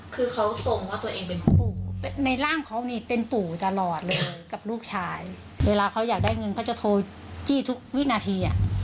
คือเขาส่งว่าตัวเองเป็นปู่ในร่างเขานี่เป็นปู่ตลอดเลยกับลูกชายเวลาเขาอยากได้เงินเขาจะโทรจี้ทุกวินาที